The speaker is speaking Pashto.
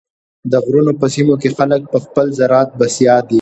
د غرونو په سیمو کې خلک په خپل زراعت بسیا دي.